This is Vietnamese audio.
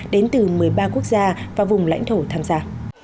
đến từ một mươi ba quốc gia và vùng lãnh thổ tham gia